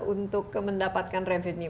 untuk mendapatkan revenue